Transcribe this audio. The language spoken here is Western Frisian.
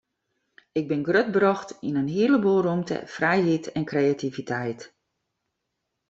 Ik bin grutbrocht yn in hele boel rûmte en frijheid en kreativiteit.